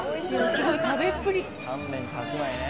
すごい食べっぷり。